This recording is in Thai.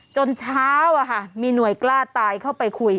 จนเช้ามีหน่วยกล้าตายเข้าไปคุย